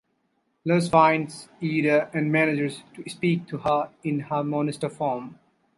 Luz finds Eda and manages to speak to her in her monster form.